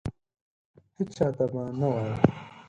هیچا ته به نه وایې !